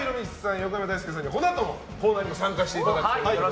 横山だいすけさんにはこのあとのコーナーにも参加していただくということで。